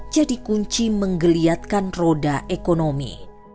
jadi kunci menggeliatkan roda ekonomi